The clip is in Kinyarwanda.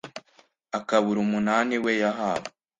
akabura umunani we yahawe